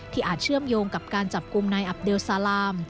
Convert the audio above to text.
อาจเชื่อมโยงกับการจับกลุ่มนายอับเลซาลาม